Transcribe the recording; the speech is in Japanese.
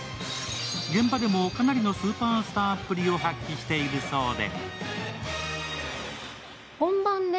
現場でもかなりのスーパースターっぷりを発揮しているそうで。